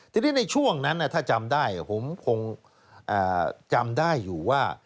ทีนี้ในช่วงนั้นถ้าจำได้ผมคงจำได้อยู่ว่า